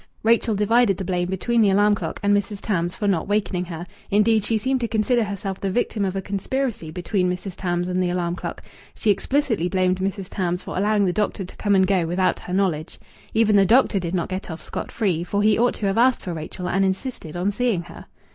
Rachel divided the blame between the alarm clock and Mrs. Tams for not wakening her; indeed, she seemed to consider herself the victim of a conspiracy between Mrs. Tams and the alarm clock. She explicitly blamed Mrs. Tams for allowing the doctor to come and go without her knowledge. Even the doctor did not get off scot free, for he ought to have asked for Rachel and insisted on seeing her.